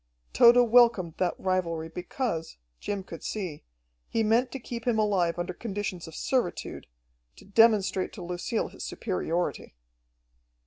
Tode welcomed that rivalry because, Jim could see, he meant to keep him alive under conditions of servitude, to demonstrate to Lucille his superiority.